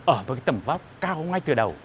ở một cái tầm vóc cao ngay từ đầu